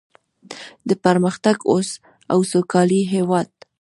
د پرمختګ او سوکالۍ هیواد.